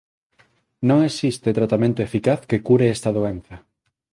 Non existe tratamento eficaz que cure esta doenza.